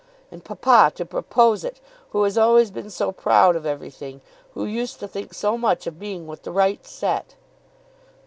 And papa to propose it, who has always been so proud of everything, who used to think so much of being with the right set."